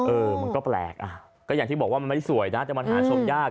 เออมันก็แปลกอ่ะก็อย่างที่บอกว่ามันไม่ได้สวยนะแต่มันหาชมยาก